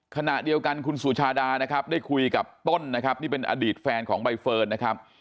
ขณะเดียวกันคุณสุชาดานะครับได้คุยกับต้นนะครับนี่เป็นอดีตแฟนของใบเฟิร์นนะครับ